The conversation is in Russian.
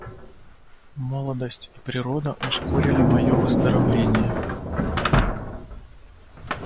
Молодость и природа ускорили мое выздоровление.